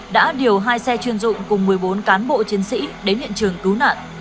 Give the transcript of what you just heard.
đã điều hai xe chuyên dụng cùng một mươi bốn cán bộ chiến sĩ đến hiện trường cứu nạn